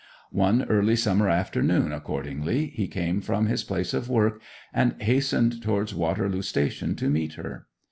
One early summer afternoon, accordingly, he came from his place of work, and hastened towards Waterloo Station to meet her.